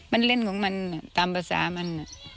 มันเล่นของมันตามภาษามัน